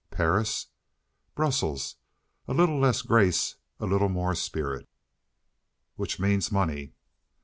"Paris?" "Brussels. A little less grace; a little more spirit." "Which means money."